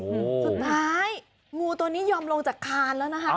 สุดท้ายงูตัวนี้ยอมลงจากคานแล้วนะคะ